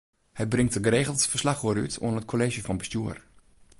Hy bringt dêr geregeld ferslach oer út oan it Kolleezje fan Bestjoer.